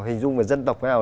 hình dung vào dân tộc thế nào